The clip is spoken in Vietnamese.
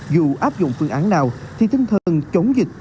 dù áp dụng phương án nào thì tinh thần chống dịch